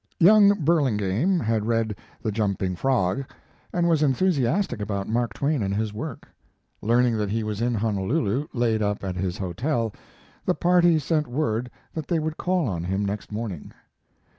Young Burlingame had read "The Jumping Frog," and was enthusiastic about Mark Twain and his work. Learning that he was in Honolulu, laid up at his hotel, the party sent word that they would call on him next morning.